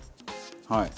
はい。